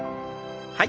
はい。